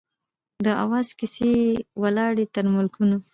د آواز کیسې یې ولاړې تر ملکونو